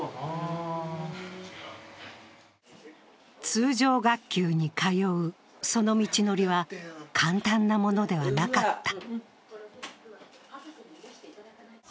通常学級に通う、その道のりは簡単なものではなかった。